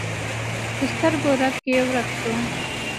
د سترګو رپ کې ورک شو